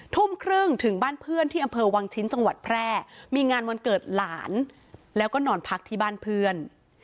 ทุ่มครึ่งถึงบ้านเพื่อนที่อำเภอวังชิ้นจังหวัดแพร่มีงานวันเกิดหลานแล้วก็นอนพักที่บ้านเพื่อน